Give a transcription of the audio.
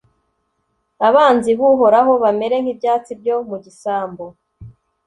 abanzi b'uhoraho bamere nk'ibyatsi byo mu gisambu